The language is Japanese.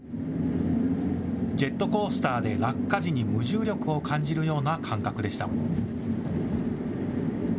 ジェットコースターで落下時に無重力を感じるような感覚でした。